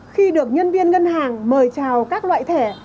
khi được nhân viên ngân hàng mời trào các loại thẻ